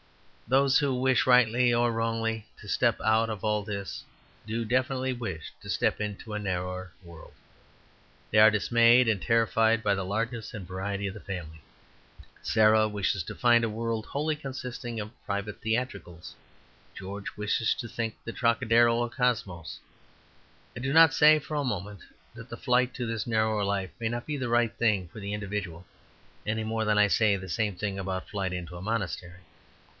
Those who wish, rightly or wrongly, to step out of all this, do definitely wish to step into a narrower world. They are dismayed and terrified by the largeness and variety of the family. Sarah wishes to find a world wholly consisting of private theatricals; George wishes to think the Trocadero a cosmos. I do not say, for a moment, that the flight to this narrower life may not be the right thing for the individual, any more than I say the same thing about flight into a monastery.